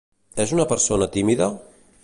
És una persona tímida?